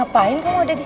ngapain kamu udah disini